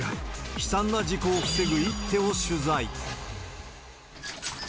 悲惨な事故を防ぐ一手を取材。